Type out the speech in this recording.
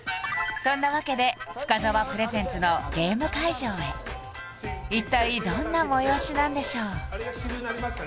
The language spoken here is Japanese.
そんなわけで深澤プレゼンツのゲーム会場へ一体どんな催しなんでしょう？